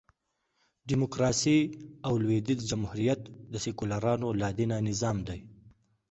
ډيموکراسي او لوېدیځ جمهوریت د سیکولرانو لا دینه نظام دئ.